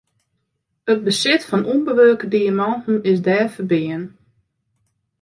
It besit fan ûnbewurke diamanten is dêr ferbean.